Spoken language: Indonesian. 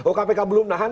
oh kpk belum tahan